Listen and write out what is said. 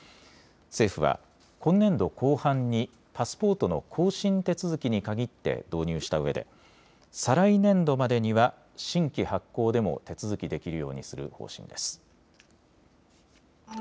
政府は今年度後半にパスポートの更新手続きに限って導入したうえで再来年度までには新規発行でも手続きできるようにする方針です。